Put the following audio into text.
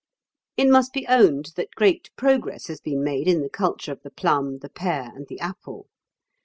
] It must be owned that great progress has been made in the culture of the plum, the pear, and the apple.